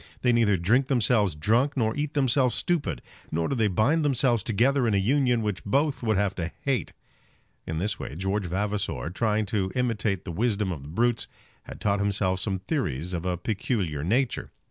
They neither drink themselves drunk, nor eat themselves stupid; nor do they bind themselves together in a union which both would have to hate." In this way George Vavasor, trying to imitate the wisdom of the brutes, had taught himself some theories of a peculiar nature.